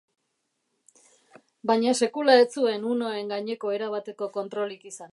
Baina sekula ez zuen hunoen gaineko erabateko kontrolik izan.